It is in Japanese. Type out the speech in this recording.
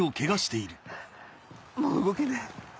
もう動けねえ。